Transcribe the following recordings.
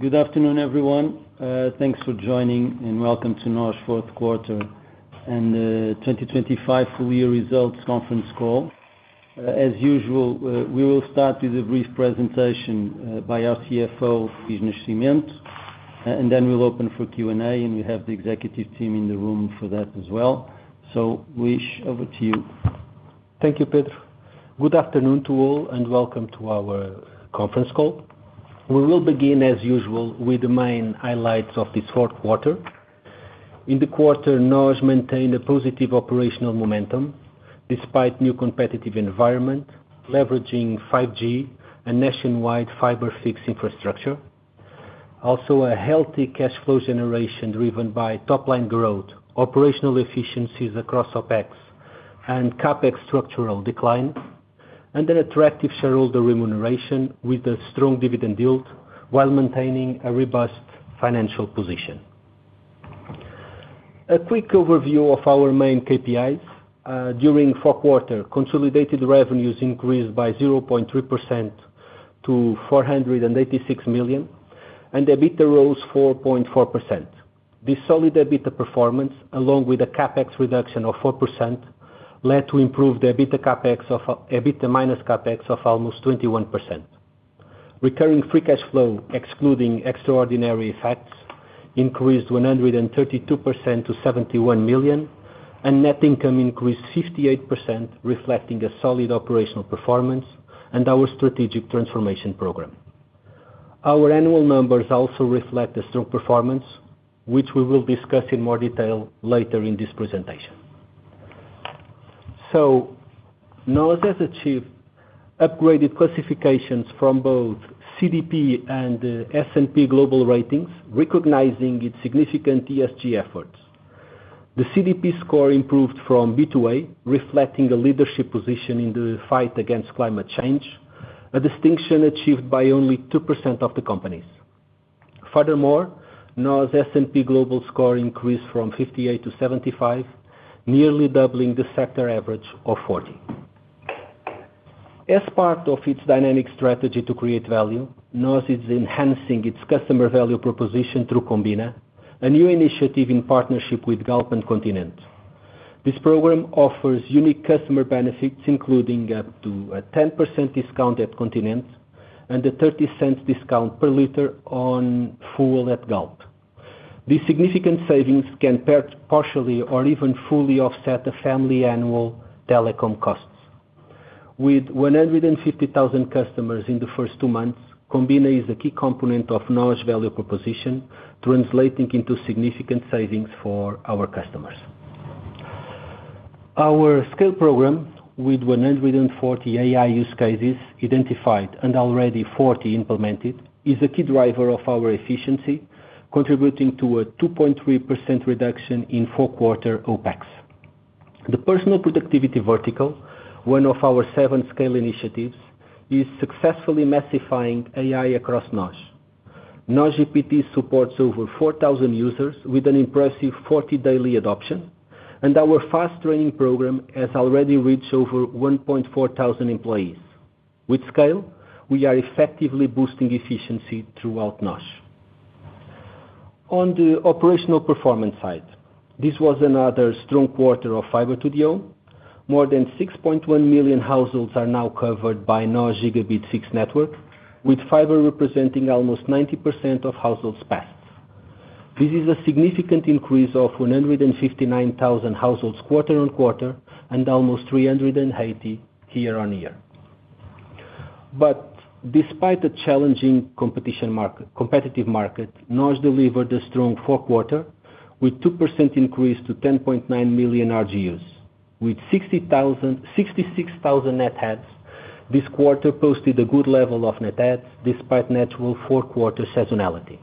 Good afternoon, everyone. Thanks for joining, welcome to NOS Fourth Quarter and 2025 Full Year Results Conference Call. As usual, we will start with a brief presentation by our CFO, Luís Nascimento. We'll open for Q&A, and we have the executive team in the room for that as well. Luís, over to you. Thank you, Pedro. Good afternoon to all, and welcome to our conference call. We will begin as usual with the main highlights of this fourth quarter. In the quarter, NOS maintained a positive operational momentum despite new competitive environment, leveraging 5G and nationwide fiber fixed infrastructure. A healthy cash flow generation driven by top-line growth, operational efficiencies across OpEx and CapEx structural decline, and an attractive shareholder remuneration with a strong dividend yield while maintaining a robust financial position. A quick overview of our main KPIs. During fourth quarter, consolidated revenues increased by 0.3% to 486 million, and EBITDA rose 4.4%. This solid EBITDA performance, along with a CapEx reduction of 4% led to improve the EBITDA minus CapEx of almost 21%. Recurring free cash flow, excluding extraordinary effects, increased 132% to 71 million, and net income increased 58%, reflecting a solid operational performance and our strategic transformation program. Our annual numbers also reflect the strong performance, which we will discuss in more detail later in this presentation. NOS has achieved upgraded classifications from both CDP and S&P Global Ratings, recognizing its significant ESG efforts. The CDP score improved from B to A, reflecting a leadership position in the fight against climate change, a distinction achieved by only 2% of the companies. Furthermore, NOS S&P Global score increased from 58-75, nearly doubling the sector average of 40. As part of its dynamic strategy to create value, NOS is enhancing its customer value proposition through Combina, a new initiative in partnership with Galp and Continente. This program offers unique customer benefits, including up to a 10% discount at Continente and a 0.30 discount per liter on fuel at Galp. These significant savings can partially or even fully offset the family annual telecom costs. With 150,000 customers in the first two months, Combina is a key component of NOS value proposition, translating into significant savings for our customers. Our SCALE program with 140 AI use cases identified and already 40 implemented, is a key driver of our efficiency, contributing to a 2.3% reduction in fourth quarter OpEx. The personal productivity vertical, one of our seven SCALE initiatives, is successfully massifying AI across NOS. NOS GPT supports over 4,000 users with an impressive 40 daily adoption, and our fast training program has already reached over 1,400 employees. With SCALE, we are effectively boosting efficiency throughout NOS. On the operational performance side, this was another strong quarter of Fiber to the Home. More than 6.1 million households are now covered by NOS gigabit fixed network, with fiber representing almost 90% of households passed. This is a significant increase of 159,000 households quarter-on-quarter and almost 380 year-on-year. Despite the challenging competitive market, NOS delivered a strong fourth quarter with 2% increase to 10.9 million RGUs. With 66,000 net adds, this quarter posted a good level of net adds, despite natural fourth quarter seasonality.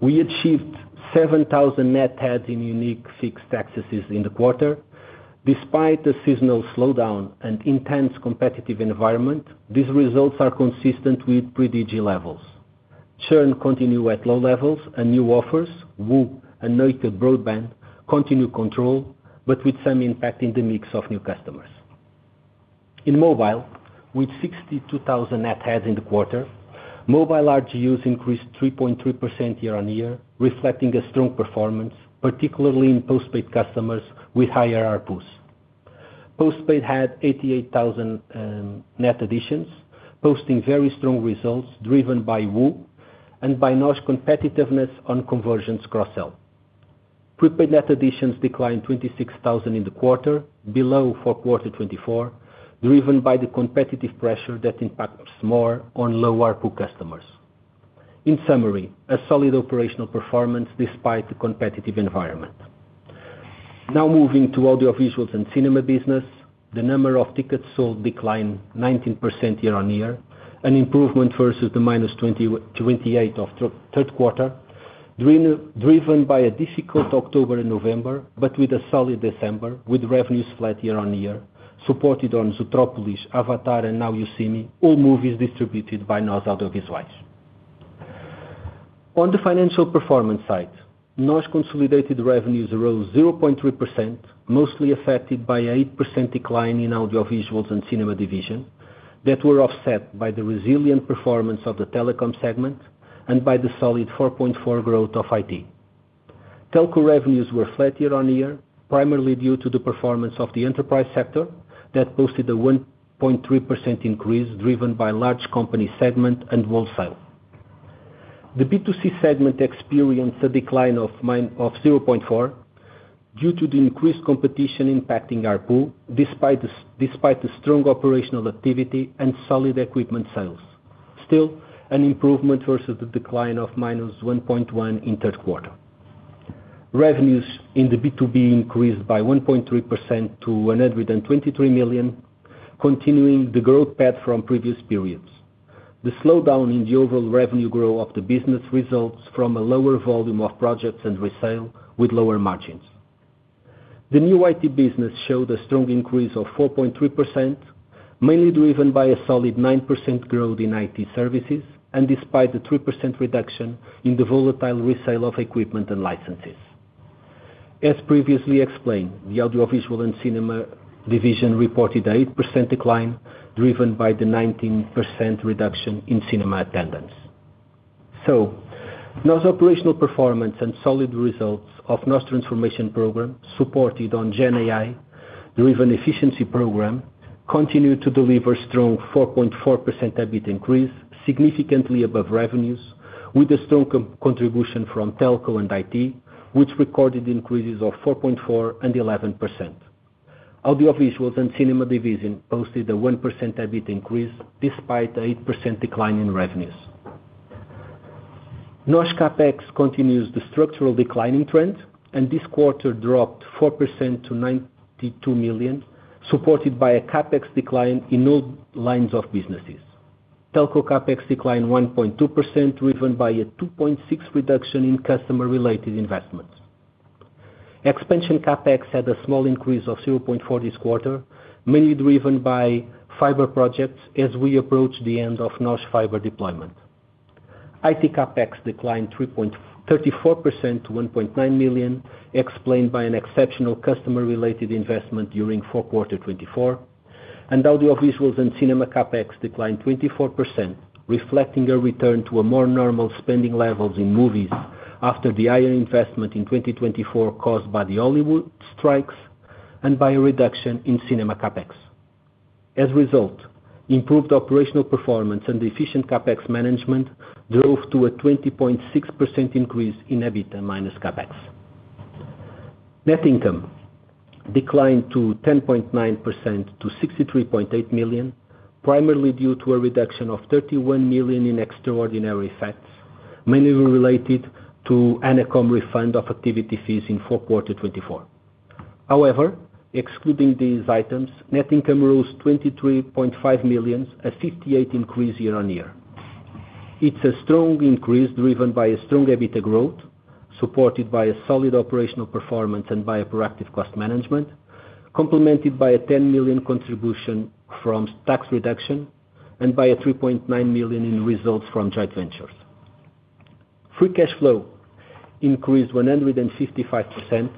We achieved 7,000 net adds in unique fixed accesses in the quarter. Despite the seasonal slowdown and intense competitive environment, these results are consistent with pre-DG levels. Churn continue at low levels and new offers, WOO and naked broadband continue control, but with some impact in the mix of new customers. In mobile, with 62,000 net adds in the quarter, mobile RGUs increased 3.3% year-on-year, reflecting a strong performance, particularly in postpaid customers with higher ARPU. Postpaid had 88,000 net additions, posting very strong results driven by WOO and by NOS competitiveness on convergence cross sell. Prepaid net additions declined 26,000 in the quarter, below for Q24, driven by the competitive pressure that impacts more on low ARPU customers. In summary, a solid operational performance despite the competitive environment. Moving to audiovisual and cinema business. The number of tickets sold declined 19% year-on-year, an improvement versus the minus 28 of third quarter, driven by a difficult October and November, but with a solid December with revenues flat year-on-year, supported on Zootrópolis, Avatar, and Now You See Me, all movies distributed by NOS Audiovisuais. On the financial performance side, NOS consolidated revenues arose 0.3%, mostly affected by 8% decline in audiovisual and cinema division that were offset by the resilient performance of the telecom segment and by the solid 4.4% growth of IT. Telco revenues were flat year-on-year, primarily due to the performance of the enterprise sector that posted a 1.3% increase driven by large company segment and wholesale. The B2C segment experienced a decline of 0.4 due to the increased competition impacting ARPU, despite the strong operational activity and solid equipment sales. Still, an improvement versus the decline of -1.1 in third quarter. Revenues in the B2B increased by 1.3% to 123 million, continuing the growth path from previous periods. The slowdown in the overall revenue growth of the business results from a lower volume of projects and resale with lower margins. The new IT business showed a strong increase of 4.3%, mainly driven by a solid 9% growth in IT services and despite a 3% reduction in the volatile resale of equipment and licenses. As previously explained, the audiovisual and cinema division reported 8% decline, driven by the 19% reduction in cinema attendance. NOS operational performance and solid results of NOS transformation program, supported on GenAI-driven efficiency program, continued to deliver strong 4.4% EBIT increase, significantly above revenues, with a strong co-contribution from telco and IT, which recorded increases of 4.4 and 11%. Audiovisuals and cinema division posted a 1% EBIT increase despite 8% decline in revenues. NOS CapEx continues the structural declining trend, and this quarter dropped 4% to 92 million, supported by a CapEx decline in all lines of businesses. Telco CapEx declined 1.2%, driven by a 2.6% reduction in customer-related investments. Expansion CapEx had a small increase of 0.4% this quarter, mainly driven by fiber projects as we approach the end of NOS fiber deployment. IT CapEx declined 3.34% to 1.9 million, explained by an exceptional customer-related investment during fourth quarter 2024. Audiovisual and cinema CapEx declined 24%, reflecting a return to a more normal spending levels in movies after the higher investment in 2024 caused by the Hollywood strikes and by a reduction in cinema CapEx. As a result, improved operational performance and efficient CapEx management drove to a 20.6% increase in EBITDA minus CapEx. Net income declined 10.9% to 63.8 million, primarily due to a reduction of 31 million in extraordinary effects, mainly related to ANACOM refund of activity fees in fourth quarter 2024. However, excluding these items, net income rose 23.5 million, a 58% increase year-on-year. It's a strong increase driven by a strong EBITDA growth, supported by a solid operational performance and by a proactive cost management, complemented by a 10 million contribution from tax reduction and by a 3.9 million in results from joint ventures. Free cash flow increased 155%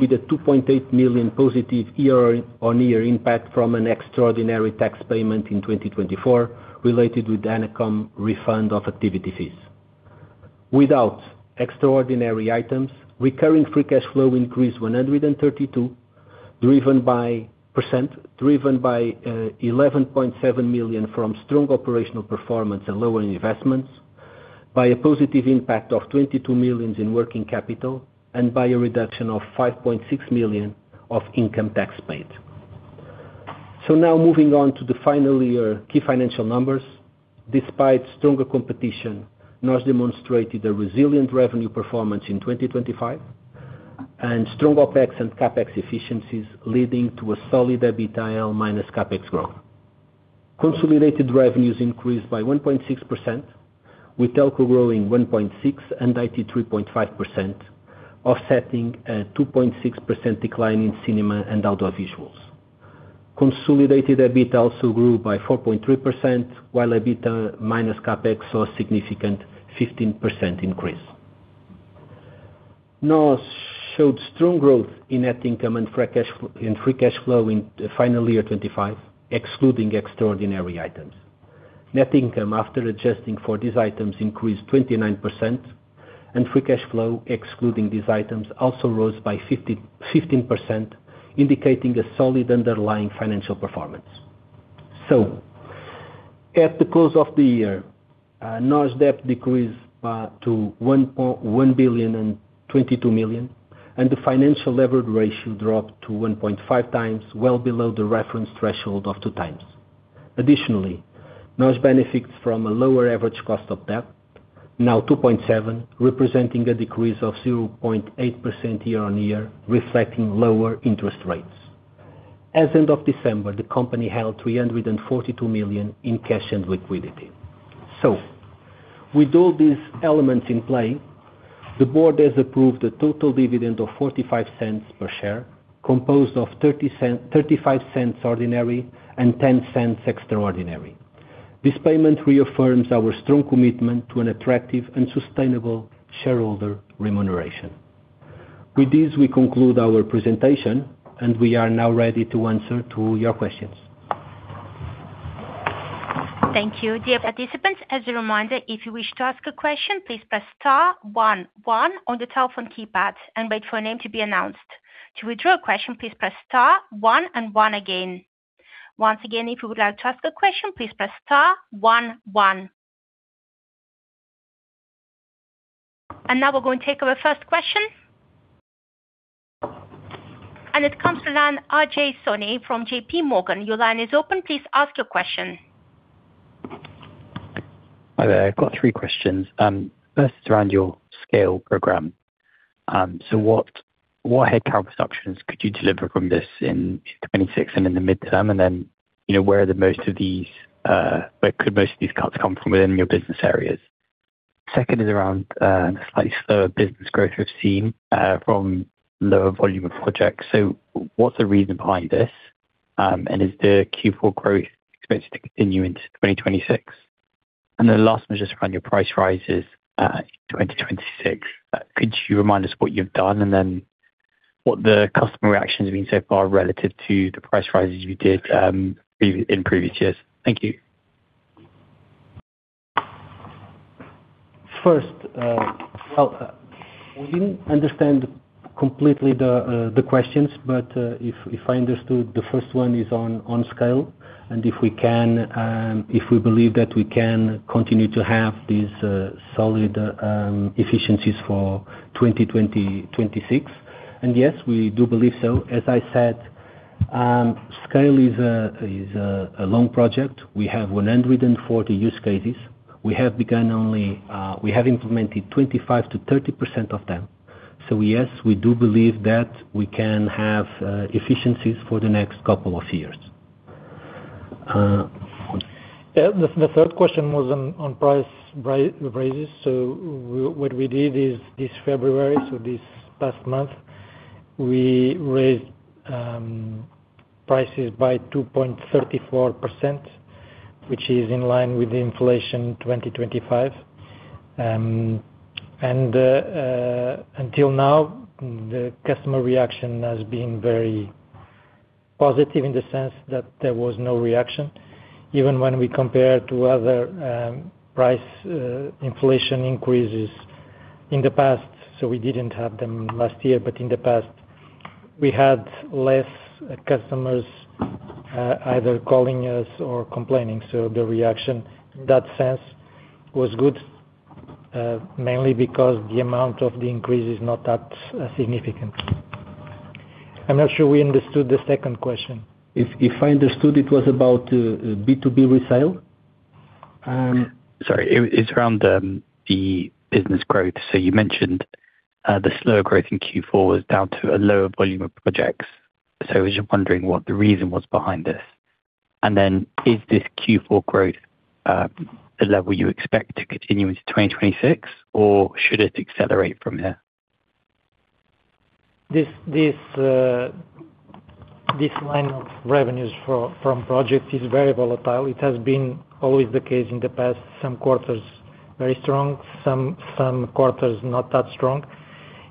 with a 2.8 million positive year-on-year impact from an extraordinary tax payment in 2024 related with ANACOM refund of activity fees. Without extraordinary items, recurring free cash flow increased 132% driven by 11.7 million from strong operational performance and lower investments by a positive impact of 22 million in working capital and by a reduction of 5.6 million of income tax paid. Now moving on to the final year key financial numbers. Despite stronger competition, NOS demonstrated a resilient revenue performance in 2025, and strong OpEx and CapEx efficiencies leading to a solid EBITDAL minus CapEx growth. Consolidated revenues increased by 1.6%, with telco growing 1.6% and 83.5%, offsetting a 2.6% decline in cinema and audiovisuals. Consolidated EBITDA also grew by 4.3%, while EBITDA minus CapEx saw a significant 15% increase. NOS showed strong growth in net income and free cash flow in the final year 2025, excluding extraordinary items. Net income, after adjusting for these items, increased 29%, and free cash flow, excluding these items, also rose by 15%, indicating a solid underlying financial performance. At the close of the year, NOS debt decreased to 1.022 billion, and the financial levered ratio dropped to 1.5x, well below the reference threshold of 2x. Additionally, NOS benefits from a lower average cost of debt, now 2.7%, representing a decrease of 0.8% year-on-year, reflecting lower interest rates. As end of December, the company held 342 million in cash and liquidity. With all these elements in play. The board has approved a total dividend of 0.45 per share, composed of 0.35 ordinary and 0.10 extraordinary. This payment reaffirms our strong commitment to an attractive and sustainable shareholder remuneration. With this, we conclude our presentation and we are now ready to answer to your questions. Thank you. Dear participants, as a reminder, if you wish to ask a question, please press star one one on the telephone keypad and wait for a name to be announced. To withdraw a question, please press star one and one again. Once again, if you would like to ask a question, please press star one one. Now we're gonna take our first question. It comes to line Ajay Soni from J.P. Morgan. Your line is open, please ask your question. Hi there. I've got three questions. First is around your SCALE program. What headcount reductions could you deliver from this in 2026 and in the midterm? You know, where the most of these, where could most of these cuts come from within your business areas? Second is around slightly slower business growth we've seen from lower volume of projects. What's the reason behind this? Is the Q4 growth expected to continue into 2026? Last one is just around your price rises in 2026. Could you remind us what you've done and then what the customer reaction has been so far relative to the price rises you did in previous years? Thank you. First, well, we didn't understand completely the questions, but if I understood, the first one is on SCALE, and if we can, if we believe that we can continue to have these solid efficiencies for 2026. Yes, we do believe so. As I said, SCALE is a, is a long project. We have 140 use cases. We have begun only, we have implemented 25%-30% of them. Yes, we do believe that we can have efficiencies for the next couple of years. The third question was on prices. What we did is this February, this past month, we raised prices by 2.34%, which is in line with the inflation 2025. Until now, the customer reaction has been very positive in the sense that there was no reaction, even when we compare to other price inflation increases in the past. We didn't have them last year, but in the past, we had less customers either calling us or complaining. The reaction in that sense was good, mainly because the amount of the increase is not that significant. I'm not sure we understood the second question. If I understood, it was about B2B resale. Sorry, it's around the business growth. You mentioned the slower growth in Q4 was down to a lower volume of projects. I was just wondering what the reason was behind this. Is this Q4 growth the level you expect to continue into 2026, or should it accelerate from here? This line of revenues for, from project is very volatile. It has been always the case in the past, some quarters very strong, some quarters not that strong.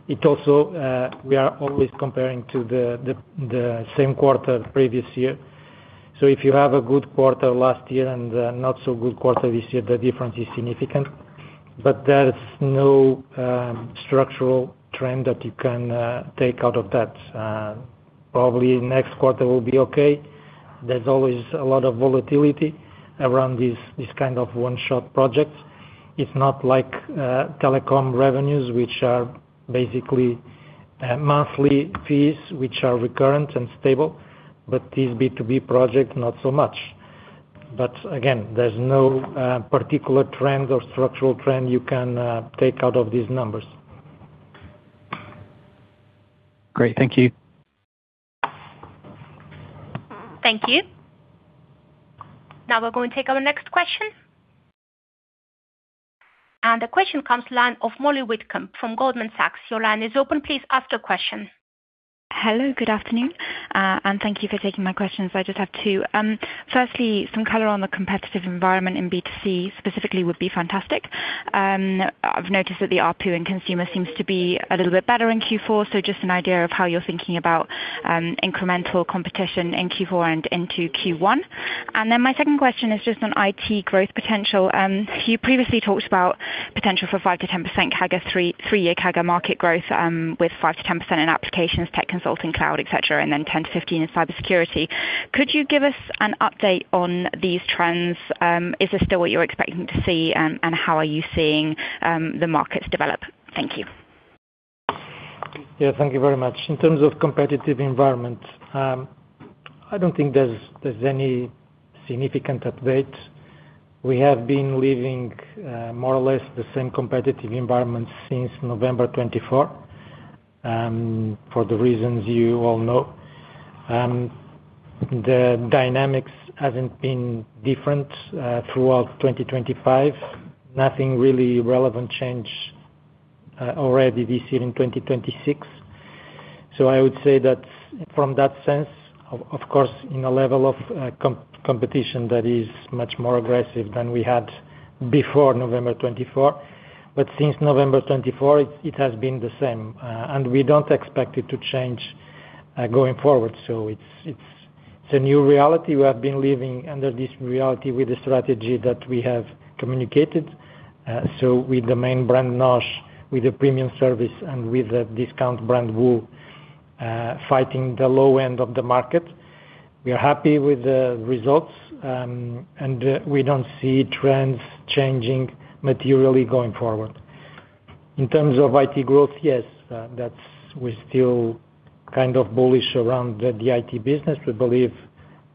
It also, we are always comparing to the same quarter previous year. If you have a good quarter last year and a not so good quarter this year, the difference is significant. There is no structural trend that you can take out of that. Probably next quarter will be okay. There's always a lot of volatility around these kind of one-shot projects. It's not like telecom revenues, which are basically monthly fees, which are recurrent and stable. These B2B projects, not so much. Again, there's no particular trend or structural trend you can take out of these numbers. Great. Thank you. Thank you. Now we're gonna take our next question. The question comes line of Molly Whitcomb from Goldman Sachs. Your line is open. Please ask the question. Hello, good afternoon. Thank you for taking my questions. I just have two. Firstly, some color on the competitive environment in B2C specifically would be fantastic. I've noticed that the ARPU in consumer seems to be a little bit better in Q4, so just an idea of how you're thinking about incremental competition in Q4 and into Q1. My second question is just on IT growth potential. You previously talked about potential for 5%-10% CAGR, three-year CAGR market growth, with 5%-10% in applications, tech consulting, cloud, et cetera, and 10%-15% in cybersecurity. Could you give us an update on these trends? Is this still what you're expecting to see? How are you seeing the markets develop? Thank you. Yeah. Thank you very much. In terms of competitive environment, I don't think there's any significant update. We have been living more or less the same competitive environment since November 2024 for the reasons you all know. The dynamics haven't been different throughout 2025. Nothing really relevant change already this year in 2026. I would say that from that sense, of course, in a level of competition that is much more aggressive than we had before November 2024. Since November 2024 it has been the same. And we don't expect it to change going forward. It's a new reality. We have been living under this reality with the strategy that we have communicated. With the main brand NOS, with the premium service, and with the discount brand WOO, fighting the low end of the market. We are happy with the results. We don't see trends changing materially going forward. In terms of IT growth, yes, we're still kind of bullish around the IT business. We believe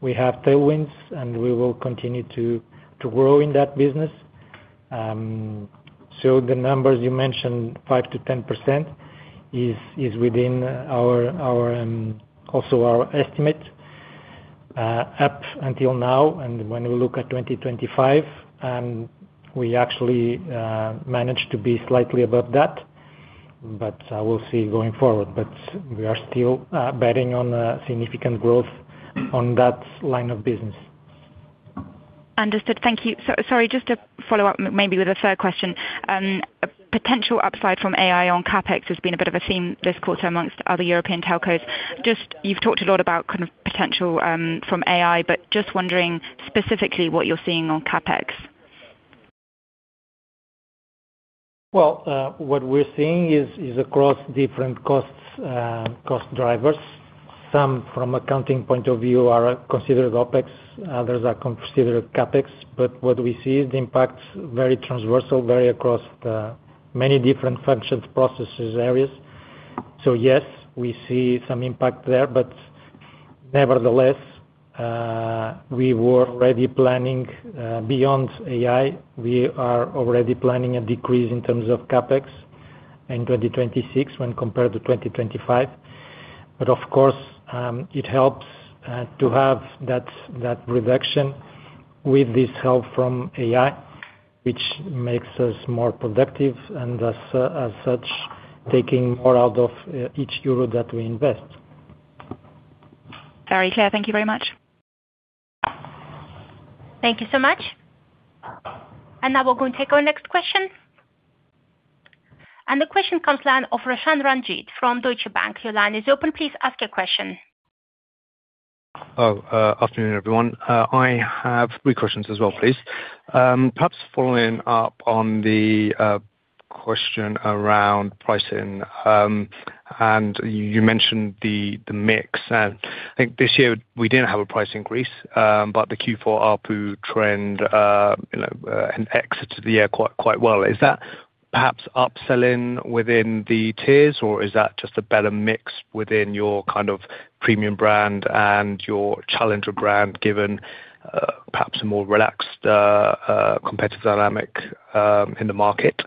we have tailwinds, and we will continue to grow in that business. The numbers you mentioned, 5%-10% is within our also our estimate up until now. When we look at 2025, we actually managed to be slightly above that, but I will see going forward. We are still betting on significant growth on that line of business. Understood. Thank you. Sorry, just to follow up maybe with a third question. Potential upside from AI on CapEx has been a bit of a theme this quarter amongst other European telcos. Just you've talked a lot about kind of potential from AI, but just wondering specifically what you're seeing on CapEx? What we're seeing is across different costs, cost drivers. Some from accounting point of view are considered OpEx, others are considered CapEx. What we see is the impact very transversal, very across the many different functions, processes, areas. Yes, we see some impact there. Nevertheless, we were already planning beyond AI. We are already planning a decrease in terms of CapEx in 2026 when compared to 2025. Of course, it helps to have that reduction with this help from AI, which makes us more productive, and as such, taking more out of each euro that we invest. Very clear. Thank you very much. Thank you so much. Now we're going to take our next question. The question comes line of Roshan Ranjit from Deutsche Bank. Your line is open. Please ask your question. Afternoon, everyone. I have three questions as well, please. Perhaps following up on the question around pricing. You mentioned the mix. I think this year we didn't have a price increase, but the Q4 ARPU trend exits the year quite well. Is that perhaps upselling within the tiers or is that just a better mix within your kind of premium brand and your challenger brand given perhaps a more relaxed competitive dynamic in the market?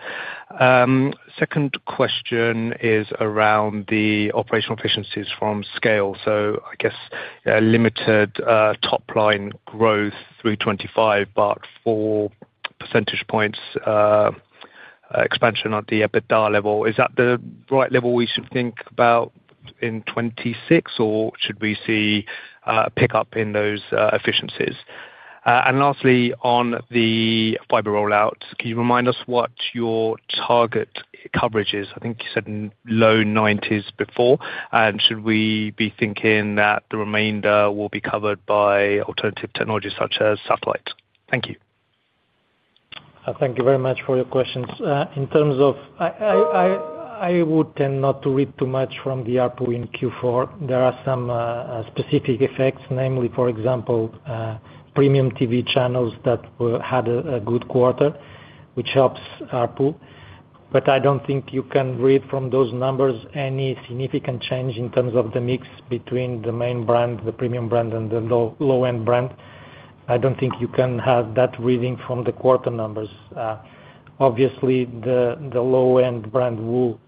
Second question is around the operational efficiencies from scale. I guess, limited top line growth through 25, but 4 percentage points expansion at the EBITDA level. Is that the right level we should think about in 26 or should we see a pickup in those efficiencies? Lastly, on the fiber rollout, can you remind us what your target coverage is? I think you said low 90s before. Should we be thinking that the remainder will be covered by alternative technologies such as satellite? Thank you. Thank you very much for your questions. In terms of... I would tend not to read too much from the ARPU in Q4. There are some specific effects, namely for example, premium TV channels that we had a good quarter, which helps ARPU. I don't think you can read from those numbers any significant change in terms of the mix between the main brand, the premium brand and the low-end brand. I don't think you can have that reading from the quarter numbers. Obviously the low-end brand WOO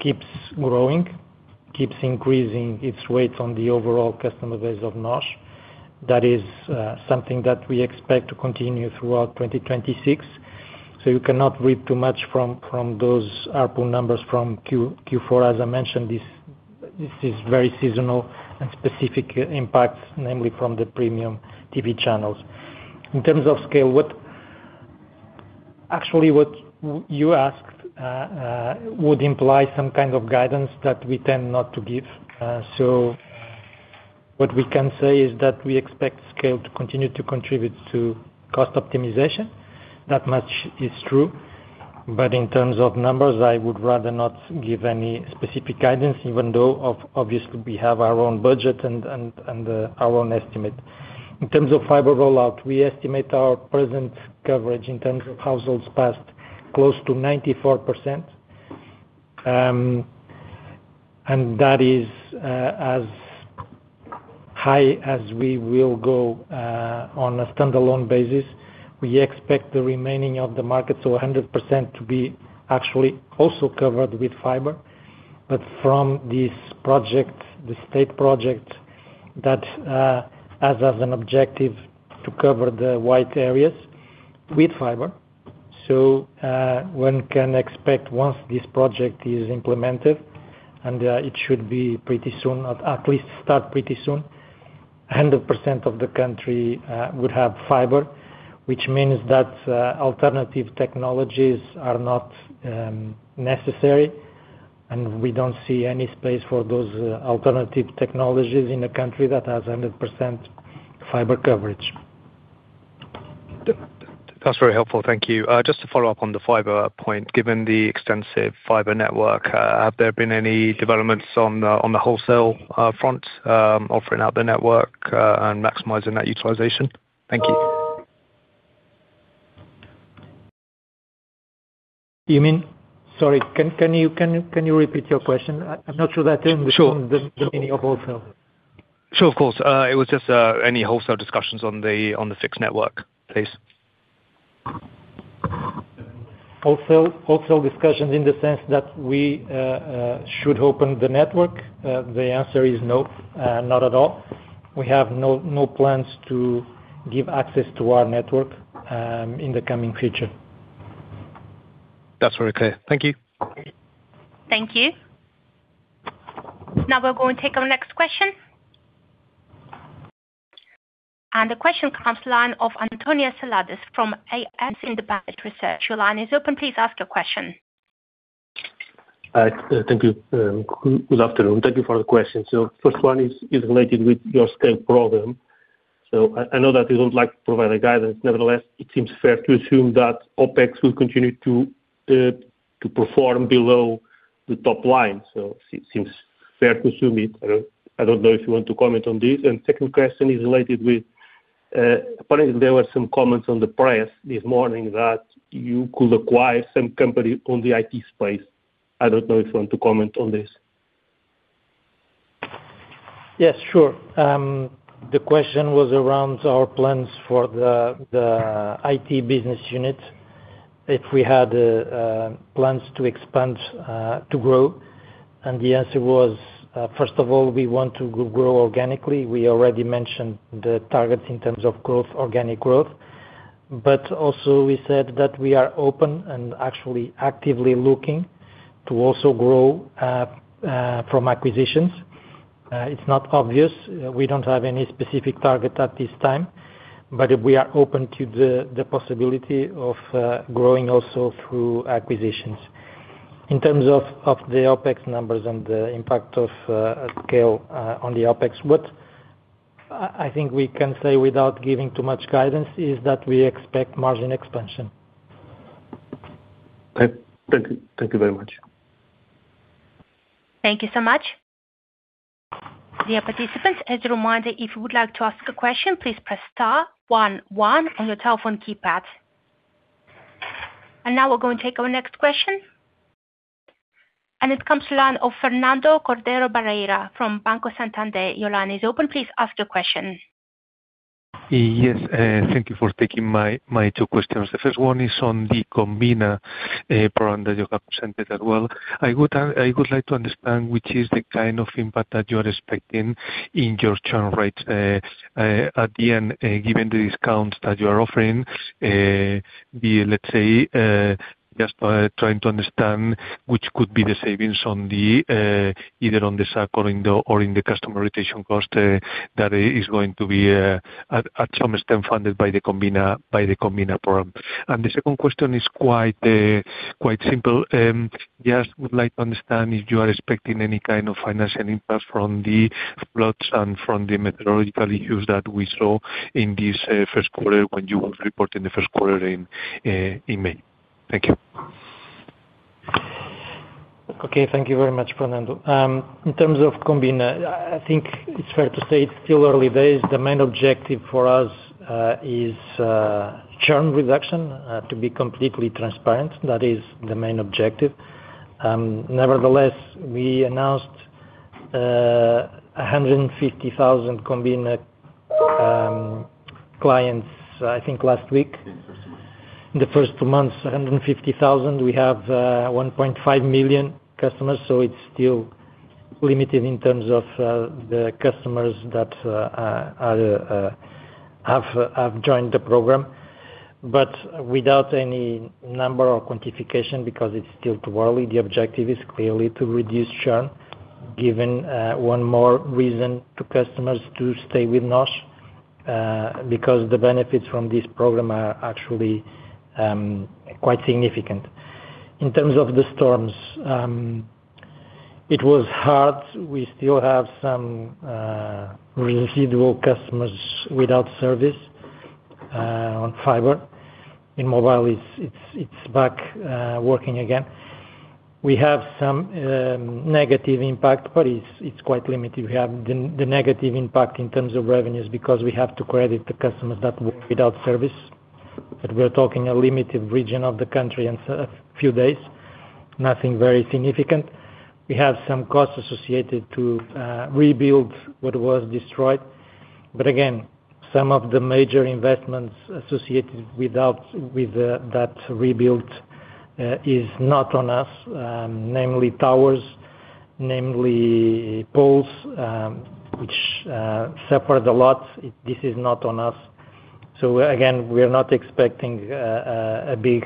keeps growing, keeps increasing its weight on the overall customer base of NOS. That is something that we expect to continue throughout 2026. You cannot read too much from those ARPU numbers from Q4. As I mentioned, this is very seasonal and specific impacts, namely from the premium TV channels. In terms of SCALE, Actually, what you asked would imply some kind of guidance that we tend not to give. What we can say is that we expect SCALE to continue to contribute to cost optimization. That much is true. In terms of numbers, I would rather not give any specific guidance, even though obviously we have our own budget and our own estimate. In terms of fiber rollout, we estimate our present coverage in terms of households passed close to 94%. That is as high as we will go on a standalone basis. We expect the remaining of the market, so 100% to be actually also covered with fiber. From this project, the state project that as an objective to cover the wide areas with fiber, one can expect once this project is implemented, and it should be pretty soon, at least start pretty soon. 100% of the country would have fiber, which means that alternative technologies are not necessary, and we don't see any space for those alternative technologies in a country that has 100% fiber coverage. That's very helpful. Thank you. Just to follow up on the fiber point. Given the extensive fiber network, have there been any developments on the wholesale front, offering out the network, and maximizing that utilization? Thank you. You mean? Sorry. Can you repeat your question? I'm not sure that term- Sure. the meaning of wholesale. Sure. Of course. It was just any wholesale discussions on the fixed network, please. Wholesale discussions in the sense that we should open the network? The answer is no, not at all. We have no plans to give access to our network in the coming future. That's very clear. Thank you. Thank you. Now we're going to take our next question. The question comes line of António Salgado from AS Independent Research. Your line is open. Please ask your question. Thank you. Good afternoon. Thank you for the question. First one is related with your scale problem. I know that you don't like to provide a guidance. Nevertheless, it seems fair to assume that OpEx will continue to perform below the top line. It seems fair to assume it. I don't know if you want to comment on this. Second question is related with, apparently there were some comments on the press this morning that you could acquire some company on the IT space. I don't know if you want to comment on this. Yes, sure. The question was around our plans for the IT business unit, if we had plans to expand, to grow. The answer was, first of all, we want to grow organically. We already mentioned the targets in terms of growth, organic growth. Also we said that we are open and actually actively looking to also grow from acquisitions. It's not obvious. We don't have any specific target at this time. We are open to the possibility of growing also through acquisitions. In terms of the OpEx numbers and the impact of scale on the OpEx. What I think we can say without giving too much guidance is that we expect margin expansion. Thank you. Thank you very much. Thank you so much. Dear participants, as a reminder, if you would like to ask a question, please press star one one on your telephone keypad. Now we're going to take our next question. It comes to line of Fernando Cordero Barrera from Banco Santander. Your line is open. Please ask your question. Yes. Thank you for taking my two questions. The first one is on the Combina program that you have presented as well. I would like to understand which is the kind of impact that you are expecting in your churn rates at the end given the discounts that you are offering, be it, let's say, just trying to understand which could be the savings on the either on the [sack or in go] or in the customer retention cost that is going to be at some extent funded by the Combina program. The second question is quite simple. Just would like to understand if you are expecting any kind of financial impact from the floods and from the meteorological issues that we saw in this first quarter when you were reporting the first quarter in May. Thank you. Thank you very much, Fernando. In terms of Combina, I think it's fair to say it's still early days. The main objective for us is churn reduction, to be completely transparent. That is the main objective. Nevertheless, we announced 150,000 Combina clients, I think last week. In the first month. In the first month, 150,000. We have 1.5 million customers. It's still limited in terms of the customers that have joined the program. Without any number or quantification because it's still too early, the objective is clearly to reduce churn, given one more reason to customers to stay with NOS, because the benefits from this program are actually quite significant. In terms of the storms, it was hard. We still have some residual customers without service on fiber. In mobile it's back working again. We have some negative impact. It's quite limited. We have the negative impact in terms of revenues because we have to credit the customers that were without service. We're talking a limited region of the country and a few days, nothing very significant. We have some costs associated to rebuild what was destroyed. Again, some of the major investments associated with that rebuild is not on us, namely towers, namely poles, which suffered a lot. This is not on us. Again, we are not expecting a big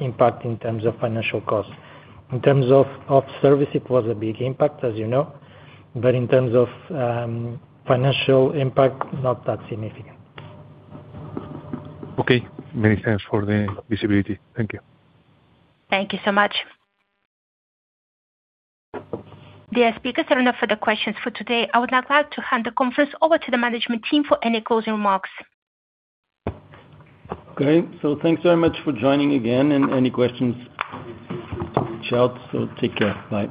impact in terms of financial costs. In terms of service, it was a big impact, as you know. In terms of financial impact, not that significant. Okay. Many thanks for the visibility. Thank you. Thank you so much. Dear speakers, there are no further questions for today. I would now like to hand the conference over to the management team for any closing remarks. Okay. Thanks very much for joining again and any questions, just reach out. Take care. Bye.